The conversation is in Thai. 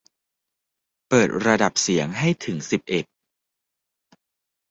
เปิดระดับเสียงให้ถึงสิบเอ็ด